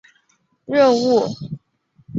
其中的新阿姆斯特丹成为今日纽约市的雏形。